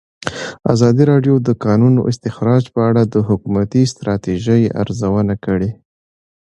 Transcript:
ازادي راډیو د د کانونو استخراج په اړه د حکومتي ستراتیژۍ ارزونه کړې.